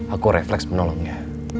aku refleks menolongnya